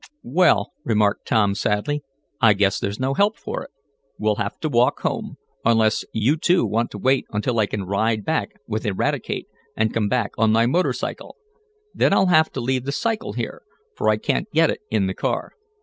"Well," remarked Tom, sadly, "I guess there's no help for it. We'll have to walk home, unless you two want to wait until I can ride back with Eradicate, and come back on my motor cycle. Then I'll have to leave the cycle here, for I can't get it in the car."